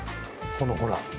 このほら。